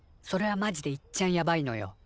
それはマジでいっちゃんやばいのよ。